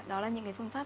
đó là những phương pháp